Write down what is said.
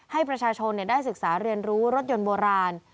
ให้ประชาชนได้ศึกษาเรียนรู้รถยนต์โบราณ